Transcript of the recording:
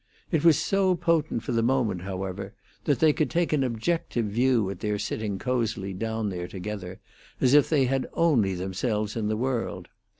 It was so potent for the moment, however, that they could take an objective view at their sitting cozily down there together, as if they had only themselves in the world.